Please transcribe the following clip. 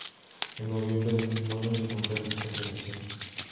En noviembre del mismo año se concreta su contratación.